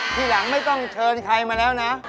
ทีหลังไม่ต้องเชิญใครมาแล้วนะ